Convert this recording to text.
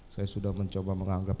saya sudah mencoba menganggap